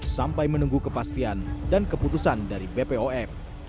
sampai menunggu kepastian dan keputusan dari bpom